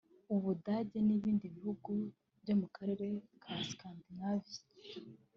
u Budage n’ibindi bihugu byo mu Karere ka Scandinavie